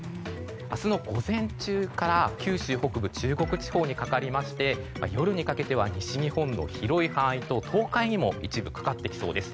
明日の午前中から、九州北部中国地方にかかりまして夜にかけては西日本の広い範囲と東海の一部にもかかってきそうです。